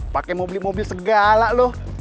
pakai mau beli mobil segala lo